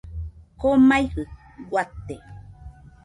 Komaijɨ guate